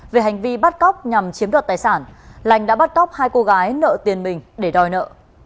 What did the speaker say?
về hành vi bắt cóc nhằm chiếm đoạt tài sản lành đã bắt cóc hai cô gái nợ tiền mình để đòi nợ